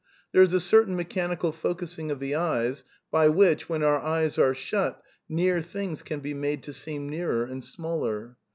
There is a certain mechanical focussing of the eyes by which, when our eyes are shut, near things can be made to seem nearer and smaller.